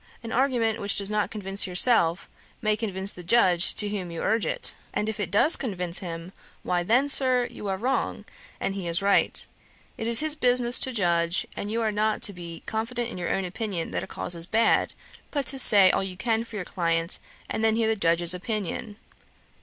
An argument which does not convince yourself, may convince the Judge to whom you urge it: and if it does convince him, why, then, Sir, you are wrong, and he is right. It is his business to judge; and you are not to be confident in your own opinion that a cause is bad, but to say all you can for your client, and then hear the Judge's opinion.'